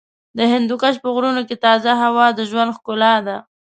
د هندوکش په غرونو کې تازه هوا د ژوند ښکلا ده.